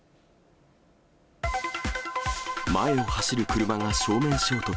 前を走る車が正面衝突。